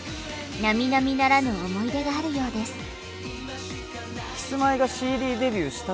なみなみならぬ思い出があるようです。